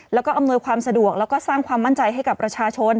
แล้วก็อำนวยความสะดวกแล้วก็สร้างความมั่นใจให้กับประชาชน